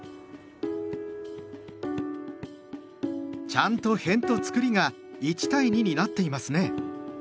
ちゃんとへんとつくりが１対２になっていますね。